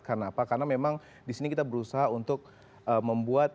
karena apa karena memang di sini kita berusaha untuk menurunkan suku bunga fed